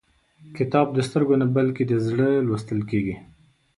کتاب د سترګو نه، بلکې د زړه لوستل کېږي.